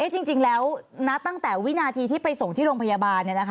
จริงแล้วณตั้งแต่วินาทีที่ไปส่งที่โรงพยาบาล